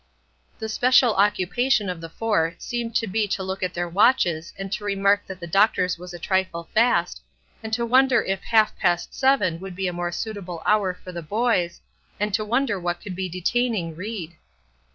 The special occupation of the four seemed to be to look at their watches and to remark that the doctor's was a trifle fast, and to wonder if half past seven would be a more suitable hour for the boys, and to wonder what could be detaining Ried.